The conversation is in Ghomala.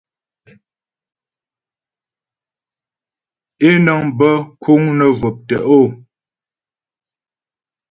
Ě nəŋ bə kùŋ nə jwɔ̀p tə’o.